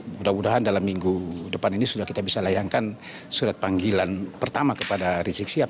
mudah mudahan dalam minggu depan ini sudah kita bisa layankan surat panggilan pertama kepada rizik sihab